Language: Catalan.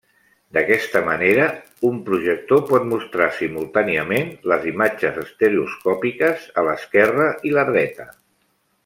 D'aquesta manera, un projector pot mostrar simultàniament les imatges estereoscòpiques a l'esquerra i la dreta.